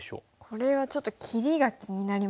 これはちょっと切りが気になりますね。